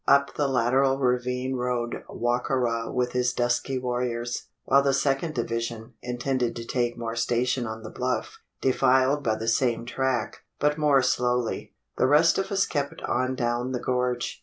Up the lateral ravine rode Wa ka ra with his dusky warriors; while the second division, intended to take station on the bluff, defiled by the same track, but more slowly. The rest of us kept on down the gorge.